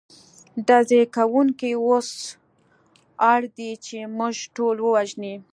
ډزې کوونکي اوس اړ دي، چې موږ ټول ووژني.